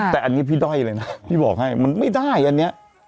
แต่อันนี้พี่ด้อยเลยนะพี่บอกให้มันไม่ได้อันนี้